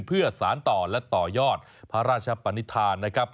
เพื่อสารต่อและต่อยอดพระราชปนิษฐานนะครับ